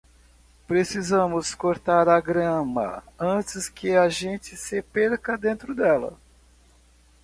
Precisamos cortar a grama antes que a gente se perca dentro dela.